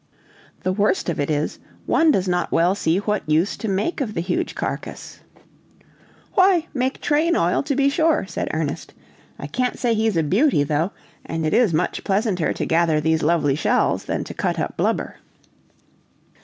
The worst of it is, one does not well see what use to make of the huge carcase." "Why, make train oil, to be sure," said Ernest. "I can't say he's a beauty, though, and it is much pleasanter to gather these lovely shells, than to cut up blubber."